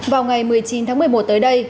vào ngày một mươi chín tháng một mươi một tới đây